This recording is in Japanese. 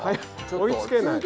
追いつけない。